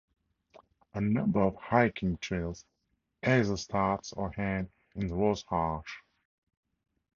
A number of hiking trails either start or end in Rorschach.